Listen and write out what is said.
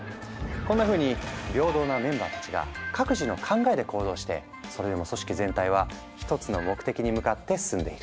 こんなふうに平等なメンバーたちが各自の考えで行動してそれでも組織全体は一つの目的に向かって進んでいる。